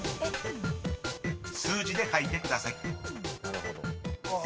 ［数字で書いてください］